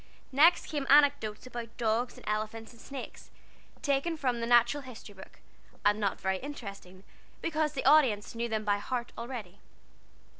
Next came anecdotes about dogs and elephants and snakes, taken from the Natural History book, and not very interesting, because the audience knew them by heart already.